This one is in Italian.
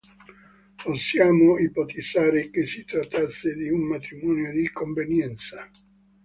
Possiamo ipotizzare che si trattasse di un matrimonio di convenienza.